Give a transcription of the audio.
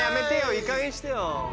いいかげんにしてよ。